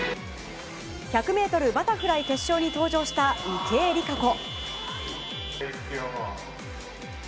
１００ｍバタフライ決勝に登場した、池江璃花子。